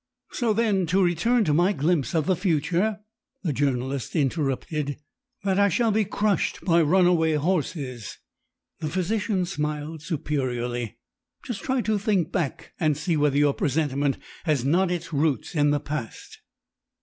"So then, to return to my glimpse of the future," the journalist interrupted, "that I shall be crushed by runaway horses?" The physician smiled superiorly. "Just try to think back and see whether your presentiment has not its roots in the past!"